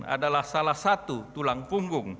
adalah salah satu tulang punggung